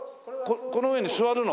この上に座るの？